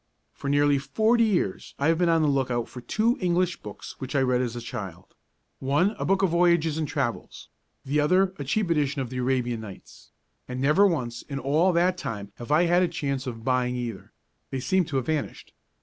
For nearly forty years I have been on the look out for two English books which I read as a child; one a book of voyages and travels, the other a cheap edition of the Arabian Nights, and never once in all that time have I had a chance of buying either: they seem to have vanished.